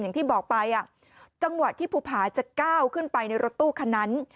อย่างที่บอกไปจังหวะที่ภูผาจะก้าวขึ้นไปในรถตู้คันนั้น